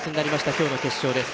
今日の決勝です。